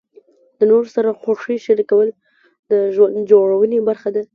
د نورو سره خوښۍ شریکول د ژوند جوړونې برخه ده.